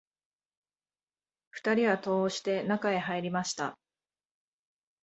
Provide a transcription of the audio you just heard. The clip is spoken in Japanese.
二人は戸を押して、中へ入りました